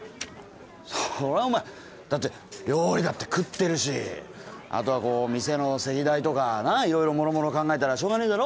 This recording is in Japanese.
そりゃあお前だって料理だって食ってるしあとはこう店の席代とかないろいろもろもろ考えたらしょうがねえだろ？